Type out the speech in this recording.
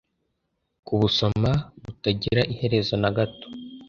kubusoma butagira iherezo nagato